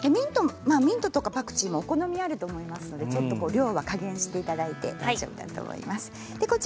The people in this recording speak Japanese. ミントやパクチーはお好みがあると思いますので量は加減していただいて大丈夫だと思います。